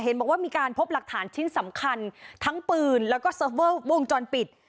บอกว่ามีการพบหลักฐานชิ้นสำคัญทั้งปืนแล้วก็เซิร์ฟเวอร์วงจรปิด